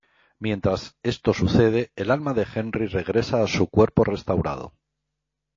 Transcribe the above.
Mientras esto sucede, el alma de Henry regresa a su cuerpo restaurado.